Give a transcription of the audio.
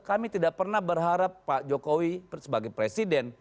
kami tidak pernah berharap pak jokowi sebagai presiden